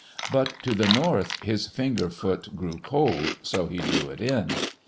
But to the north his finger foot grew cold, so he drew it in.